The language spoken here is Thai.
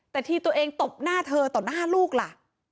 แต่ที่ตัวเองตบหน้าเธอต่อหน้าลูกล่ะ